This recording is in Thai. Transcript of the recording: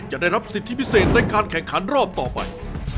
ได้รับสิทธิพิเศษในการแข่งขันรอบต่อไป